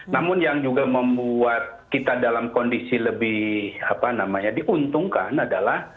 namun yang juga membuat kita dalam kondisi lebih diuntungkan adalah